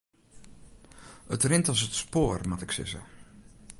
It rint as it spoar moat ik sizze.